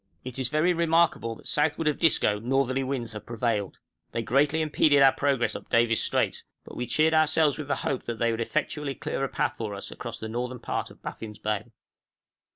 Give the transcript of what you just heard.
It is very remarkable that southward of Disco northerly winds have prevailed. They greatly impeded our progress up Davis' Strait, but we cheered ourselves with the hope that they would effectually clear a path for us across the northern part of Baffin's Bay.